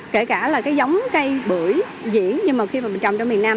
kể cả là cái giống cây bưởi diễn nhưng mà khi mà mình trồng ở miền nam